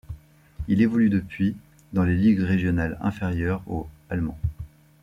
Il évolue depuis dans les ligues régionales inférieures au allemand.